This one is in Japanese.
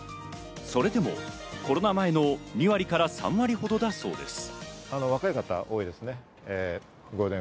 それでもコロナ前の２割から３割ほどだそうです。